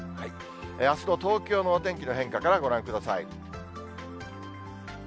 あすの東京のお天気の変化からご覧ください。